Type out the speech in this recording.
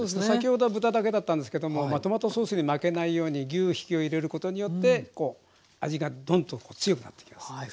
先ほどは豚だけだったんですけどもトマトソースに負けないように牛ひきを入れることによって味がどんと強くなっていきます。